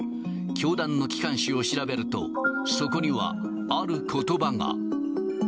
教団の機関誌を調べると、そこにはあることばが。